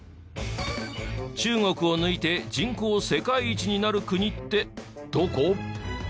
中国を抜いて人口世界一になる国ってどこ？